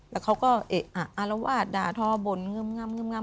แล้วเขาก็อาระวาดด่าทอบลงึมงำ